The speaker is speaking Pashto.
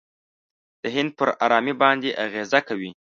د هند پر آرامۍ باندې اغېزه کوي.